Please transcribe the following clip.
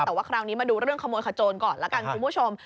แต่ว่าคราวนี้มาดูเรื่องขโมยขโจนก่อนละกันคุณผู้ชม